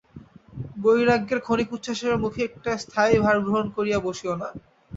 বৈরাগ্যের ক্ষণিক উচ্ছ্বাসের মুখে একটা স্থায়ী ভার গ্রহণ করিয়া বসিয়ো না।